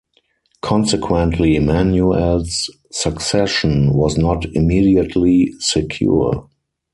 Consequently, Manuel's succession was not immediately secure.